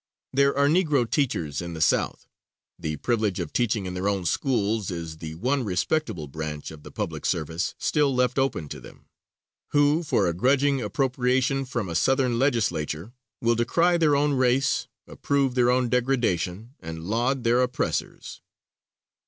There are Negro teachers in the South the privilege of teaching in their own schools is the one respectable branch of the public service still left open to them who, for a grudging appropriation from a Southern legislature, will decry their own race, approve their own degradation, and laud their oppressors.